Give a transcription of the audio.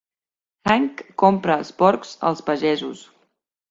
Hank compra els porcs als pagesos.